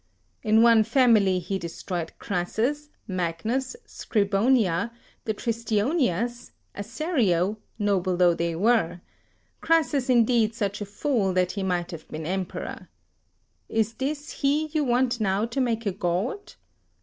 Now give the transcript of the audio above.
In one family he destroyed Crassus, Magnus, Scribonia, the Tristionias, Assario, noble though they were; Crassus indeed such a fool that he might have been emperor. Is this he you want now to make a god?